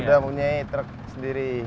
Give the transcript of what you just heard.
sudah punya truk sendiri